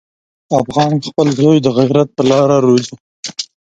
افغان خپل زوی د غیرت په لاره روزي.